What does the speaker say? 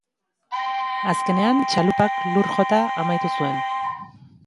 Azkenean, txalupak lur jota amaitu zuen.